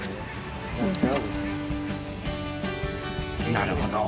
なるほど！